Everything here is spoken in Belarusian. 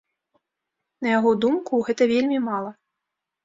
На яго думку, гэта вельмі мала.